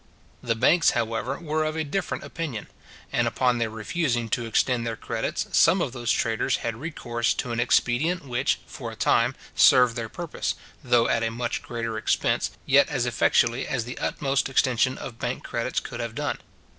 The banks, however, were of a different opinion; and upon their refusing to extend their credits, some of those traders had recourse to an expedient which, for a time, served their purpose, though at a much greater expense, yet as effectually as the utmost extension of bank credits could have done.